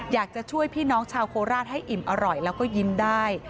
อยากจะช่วยพี่น้องชาวโคราชให้อิ่มอร่อยแล้วก็ยิ้มได้